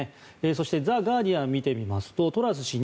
そして、ザ・ガーディアンを見てみますとトラス氏